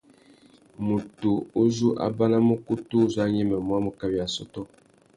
Mutu uzú a banamú ukutu uzú a nyêmêmú a mú kawi assôtô.